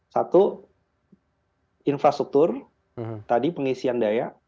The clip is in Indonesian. satu infrastruktur tadi pengisian daya